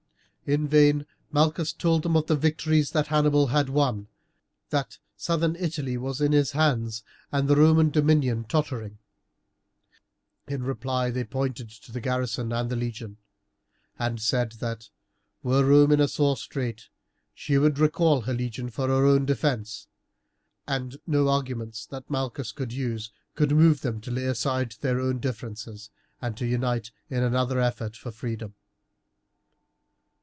In vain Malchus told them of the victories that Hannibal had won, that Southern Italy was in his hands, and the Roman dominion tottering. In reply they pointed to the garrisons and the legion, and said that, were Rome in a sore strait, she would recall her legion for her own defence, and no arguments that Malchus could use could move them to lay aside their own differences and to unite in another effort for freedom.